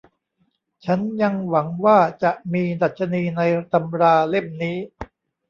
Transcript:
ฉันยังหวังว่าจะมีดัชนีในตำราเล่มนี้